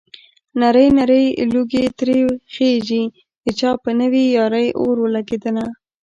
نری نری لوګی ترې خيږي د چا په نوې يارۍ اور ولګېدنه